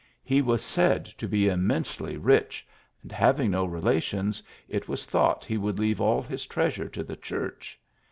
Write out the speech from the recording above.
lie was said to be immensely rich, "and, hav ing no relations, it was thought he would leave all his treasure to the church.